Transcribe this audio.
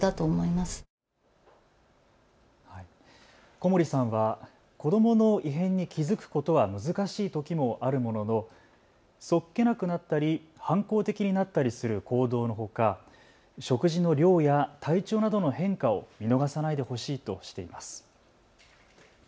小森さんは子どもの異変に気付くことは難しいときもあるもののそっけなくなったり反抗的になったりする行動のほか食事の量や体調などの変化を見逃さないでほしいとしています。